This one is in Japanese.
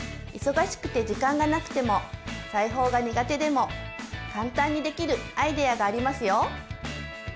忙しくて時間がなくても裁縫が苦手でも簡単にできるアイデアがありますよ。